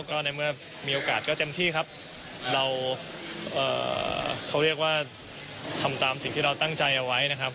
ก็ในเมื่อมีโอกาสก็เต็มที่ครับเราเขาเรียกว่าทำตามสิ่งที่เราตั้งใจเอาไว้นะครับ